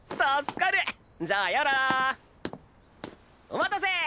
お待たせー！